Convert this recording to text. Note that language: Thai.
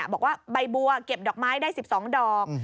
บอกว่าใบบัวเก็บดอกไม้ได้๑๒ดอก